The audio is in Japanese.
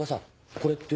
これって。